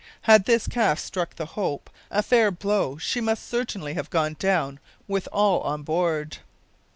Had this calf struck the Hope a fair blow she must certainly have gone down with all on board.